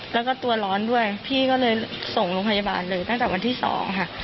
แล้วก็ตัวร้อนด้วยพี่ก็เลยส่งโรงพยาบาลเลยตั้งแต่วันที่๒ค่ะ